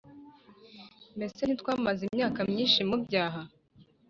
Mbese ntitwamaze imyaka myinshi mu byaha?